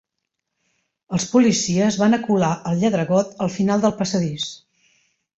Els policies van acular el lladregot al final del passadís.